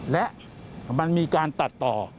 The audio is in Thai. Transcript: และมันมีการตัดต่อ